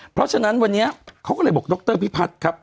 เพราะฉะนั้นวันนี้เขาก็เลยบอกดรพิพัฒน์ครับ